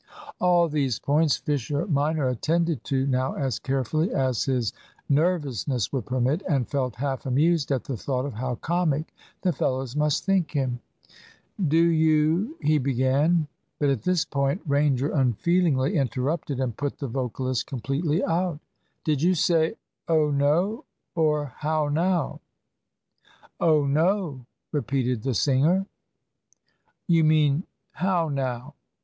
All these points Fisher minor attended to now as carefully as his nervousness would permit, and felt half amused at the thought of how comic the fellows must think him. "Do you " he began. But at this point Ranger unfeelingly interrupted, and put the vocalist completely out. "Did you say `Oh no' or `How now'?" "Oh no," repeated the singer. "You mean h o w n o w?"